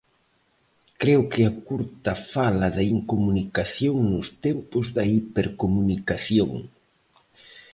Creo que a curta fala da incomunicación nos tempos da hipercomunicación.